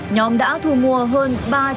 nhóm đã thu mua hơn